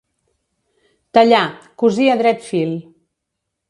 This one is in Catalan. Tallar, cosir a dret fil.